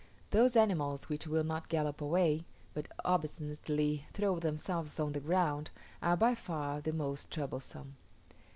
Those animals which will not gallop away, but obstinately throw themselves on the ground, are by far the most troublesome.